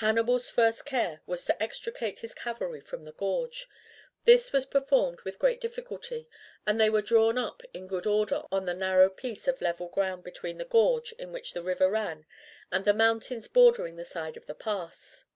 Hannibal's first care was to extricate his cavalry from the gorge. This was performed with great difficulty, and they were drawn up in good order on the narrow piece of level ground between the gorge in which the river ran and the mountains bordering the side of the pass.